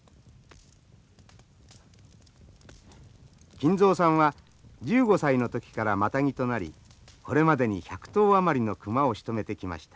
金蔵さんは１５歳の時からマタギとなりこれまでに１００頭余りの熊をしとめてきました。